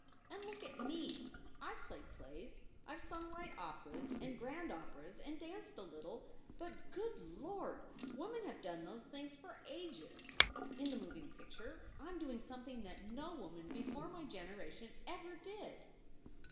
And look at me. I ve played plays, I ve sung light operas and grand operas, and danced a little, but, good Lord! women have done those things for ages. In the moving picture I m doing something that no woman before my generation ever did.